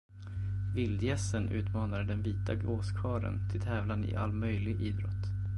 Vildgässen utmanade den vita gåskarlen till tävlan i all möjlig idrott.